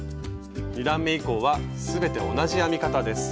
２段め以降は全て同じ編み方です。